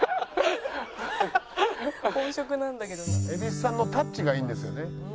「蛭子さんのタッチがいいんですよね」